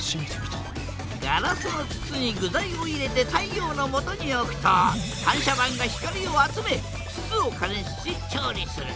ガラスの筒に具材を入れて太陽のもとに置くと反射板が光を集め筒を加熱し調理する。